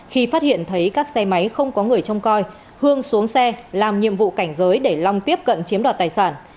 khi phát hiện thấy các xe máy không có người trông coi hương xuống xe làm nhiệm vụ cảnh giới để long tiếp cận chiếm đoạt tài sản